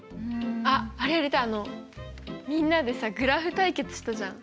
あっあれやりたいあのみんなでさグラフ対決したじゃん。